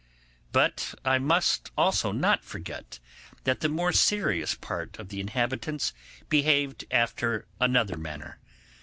But I must also not forget that the more serious part of the inhabitants behaved after another manner.